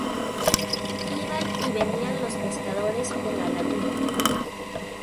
Iban y venían los pescadores por la laguna.